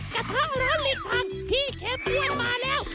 กระทะร้อนลิสักพี่เชฟพ่วนมาแล้ว